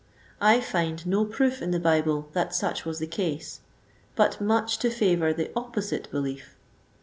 I find no proof in the Bible that such was the case, but much to favor the opposite belief.